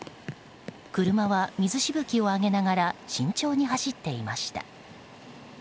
車は水しぶきを上げながら慎重に走っていました。